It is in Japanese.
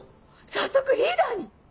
早速リーダーに？